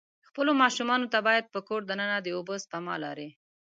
خپلو ماشومان ته باید په کور د ننه د اوبه سپما لارې.